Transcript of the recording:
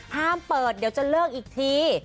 ห้ามเปิดเดี๋ยวจะเลิกอีกที